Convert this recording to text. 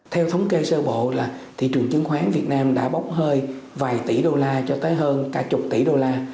theo thống kê sơ bộ là thị trường chứng khoán việt nam đã bốc hơi vài tỷ usd cho tới hơn cả chục tỷ usd